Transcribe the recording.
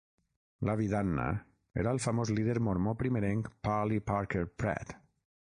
L'avi d'Anna era el famós líder Mormó primerenc Parley Parker Pratt.